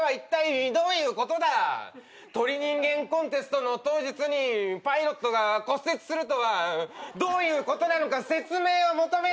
鳥人間コンテストの当日にパイロットが骨折するとはどういうことなのか説明を求める！